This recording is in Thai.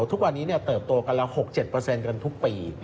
ทุกวันนี้เติบโตกันละ๖๗กันทุกปี